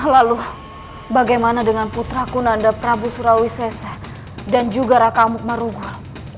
lalu bagaimana dengan putra kunanda prabu surawi sese dan juga raka amuk marugul